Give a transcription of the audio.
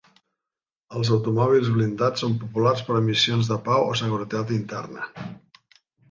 Els automòbils blindats són populars per a missions de pau o seguretat interna.